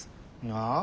ああ？